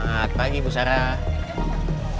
selamat pagi ibu sarah